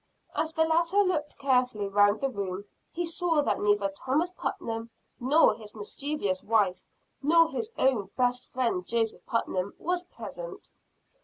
As the latter looked carefully around the room, he saw that neither Thomas Putnam nor his mischievous wife, nor his own best friend Joseph Putnam, was present.